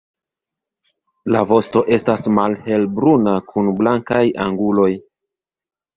La vosto estas malhelbruna kun blankaj anguloj.